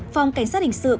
phòng cảnh sát hình sự công an